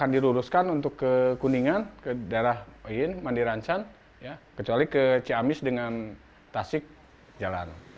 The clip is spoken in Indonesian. diruruskan untuk ke kuningan ke daerah mandiransan kecuali ke siamis dengan tasik jalan